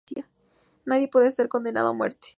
Nadie puede ser condenado a muerte.